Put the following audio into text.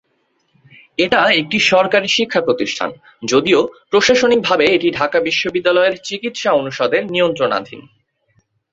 এটা একটি সরকারি শিক্ষা প্রতিষ্ঠান; যদিও প্রশাসনিকভাবে এটি ঢাকা বিশ্ববিদ্যালয়ের চিকিৎসা অনুষদের নিয়ন্ত্রণাধীন।